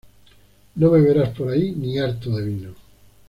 No me verás por allí ni harto de vino